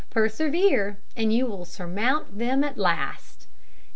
Persevere, and you will surmount them at last.